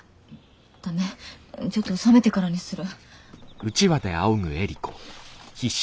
ダメちょっと冷めてからにする。